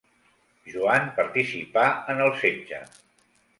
Joan participà en el setge.